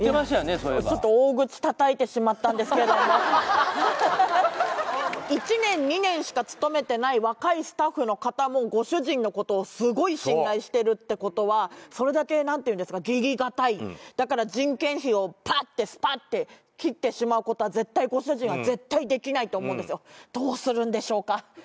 そういえばちょっと大口叩いてしまったんですけれども１年２年しか勤めてない若いスタッフの方もご主人のことをすごい信頼してるってことはそれだけ何ていうんですか義理堅いだから人件費をパッてスパッて切ってしまうことは絶対ご主人は絶対できないと思うんですよ